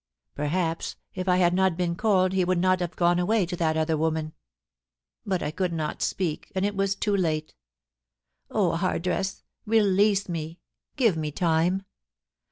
Perhaps if 1 had not been cold he would not have gone away to that other woman. But I could not speak, and it was too late. Oh, Hardress, release me ; give me time.